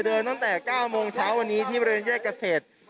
ตั้งแต่๙โมงเช้าวันนี้ที่บริเวณแยกเกษตร